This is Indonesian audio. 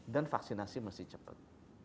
dan vaksinasi mesti cepat